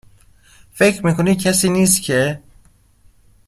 فکر می کنی کسی نیست که